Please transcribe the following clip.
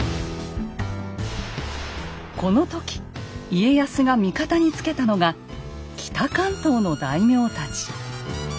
この時家康が味方につけたのが北関東の大名たち。